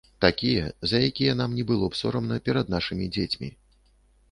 Такія, за якія нам не было б сорамна перад нашымі дзецьмі.